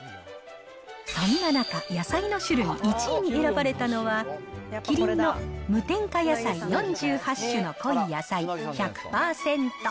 そんな中、野菜の種類１位に選ばれたのは、キリンの無添加野菜４８種の濃い野菜１００％。